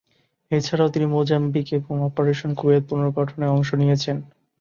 এছাড়াও তিনি মোজাম্বিক এবং অপারেশন কুয়েত পুনর্গঠনে অংশ নিয়েছেন।